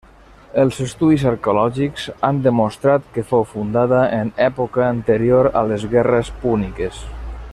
Els estudis arqueològics han demostrat que fou fundada en època anterior a les guerres púniques.